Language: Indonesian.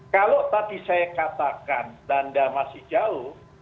kalau tadi saya katakan tanda masih jauh